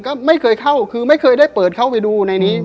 ก็ไม่เคยเข้าคือไม่เคยได้เปิดเข้าไปดูในนี้